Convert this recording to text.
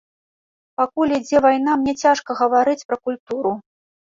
Пакуль ідзе вайна, мне цяжка гаварыць пра культуру.